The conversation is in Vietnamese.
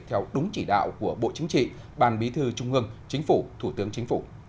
theo đúng chỉ đạo của bộ chính trị ban bí thư trung ương chính phủ thủ tướng chính phủ